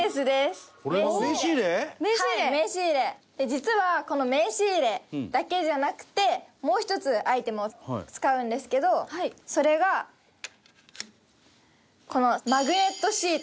実はこの名刺入れだけじゃなくてもう１つアイテムを使うんですけどそれがこのマグネットシート。